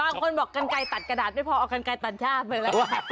บางคนบอกกันไกลตัดกระดาษไม่พอเอากันไกลตัดย่าไปแล้ว